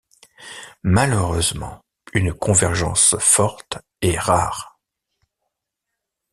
Malheureusement, une convergence forte est rare.